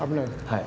はい。